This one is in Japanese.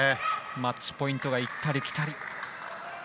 マッチポイントがいったりきたり。